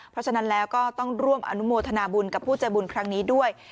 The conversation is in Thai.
เพราะฉะนั้นแล้วก็ต้องร่วมอนุโมทนาบุญกับผู้ใจบุญครั้งนี้ด้วย